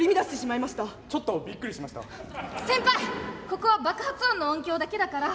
ここは爆発音の音響だけだから。